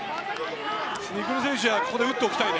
未来選手はここで打っておきたいね。